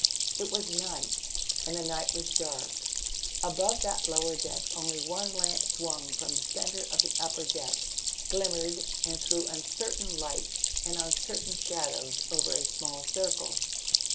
It was night, and the night was dark. Above that lower deck only one lamp, swung from the centre of the upper deck, glimmered and threw uncertain lights and uncertain shadows over a small circle.